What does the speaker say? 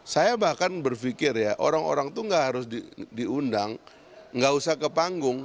saya bahkan berpikir ya orang orang itu nggak harus diundang nggak usah ke panggung